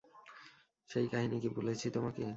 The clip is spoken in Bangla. সেই কাহিনী কি বলেছি তোমাকে?